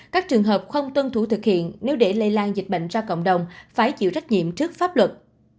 các trường hợp không tuân thủ thực hiện nếu để lây lan dịch bệnh ra cộng đồng phải chịu trách nhiệm trước pháp luật